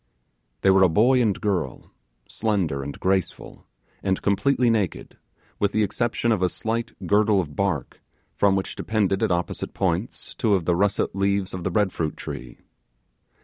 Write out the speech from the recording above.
They were a boy and a girl, slender and graceful, and completely naked, with the exception of a slight girdle of bark, from which depended at opposite points two of the russet leaves of the bread fruit tree.